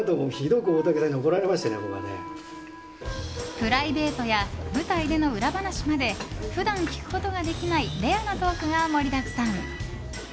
プライベートや舞台での裏話まで普段聞くことができないレアなトークが盛りだくさん。